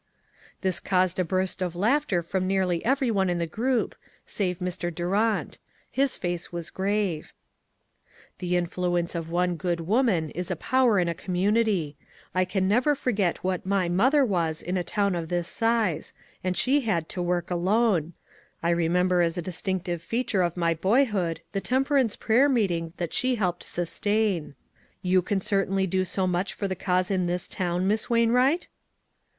This caused a burst of laughter from nearly every one in the group, save Mr. Durant; his face was grave. " The influence of one good woman is a power in a community. I can never forget IO4 ONE COMMONPLACE DAY. what my mother was in a town of this size ; and she had to work alone. I remem ber as a distinctive feature of my boyhood the temperance prayer meeting that she helped sustain. You can certainly do so much for the cause in this town, Miss Wainwright?